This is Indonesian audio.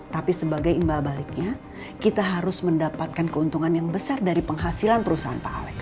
tapi sebagai imbal baliknya kita harus mendapatkan keuntungan yang besar dari penghasilan perusahaan pak alex